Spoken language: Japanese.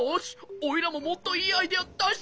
おいらももっといいアイデアだしちゃおう！